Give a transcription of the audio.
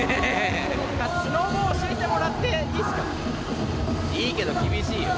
スノボ教えてもらっていいっいいけど、厳しいよ。